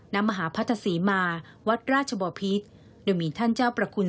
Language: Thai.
น้ำมหาพระทศรีมาวัดราชจบทโดยมีท่านเจ้าประกุล